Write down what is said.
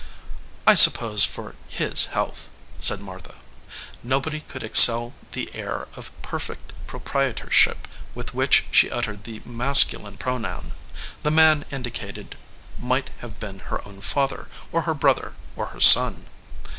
"I suppose for His health," said Martha. No body could excel the air of perfect proprietorship with which she uttered the masculine pronoun. The man indicated might have been her own father, or her brother, or her son.